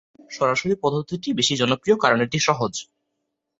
সরাসরি পদ্ধতিটি বেশি জনপ্রিয় কারণ এটি সহজ।